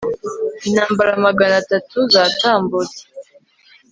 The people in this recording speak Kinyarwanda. Intambara magana atatu zatambutse